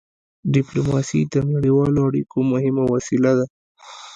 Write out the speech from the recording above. ډيپلوماسي د نړیوالو اړیکو مهمه وسيله ده.